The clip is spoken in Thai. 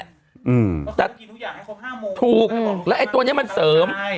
เขาก็ต้องกินทุกอย่างให้ครบ๕มูลถูกแล้วตัวนี้มันเสริม